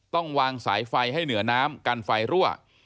ต้องวางสายไฟให้เหนือน้ำกันไฟรั่ว